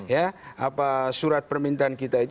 ya apa surat permintaan kita itu